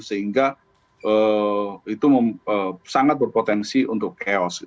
sehingga itu sangat berpotensi untuk chaos